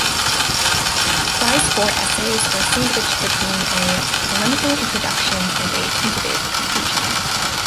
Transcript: Frye's four essays are sandwiched between a "Polemical Introduction" and a "Tentative Conclusion.